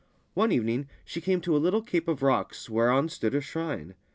One evening she came to a little cape of rocks, whereon stood a shrine.